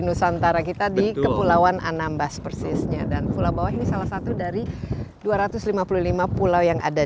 nusantara kita di kepulauan anambas persisnya dan pulau bawah ini salah satu dari dua ratus lima puluh lima pulau yang ada